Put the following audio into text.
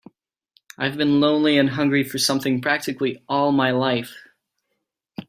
I've been lonely and hungry for something practically all my life.